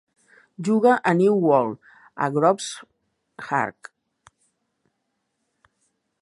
Juga a New World a Grooveshark